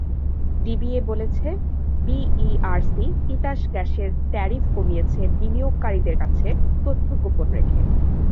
DBA বলেছে, BERC Titas গ্যাসের tariff কমিয়েছে বিনিয়োগকারীদের কাছে তথ্য গোপন রেখে।